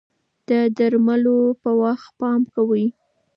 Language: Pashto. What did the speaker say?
د درملو په وخت پام کوئ.